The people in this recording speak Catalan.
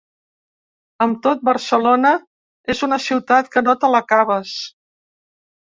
Amb tot, Barcelona és una ciutat que no te l’acabes.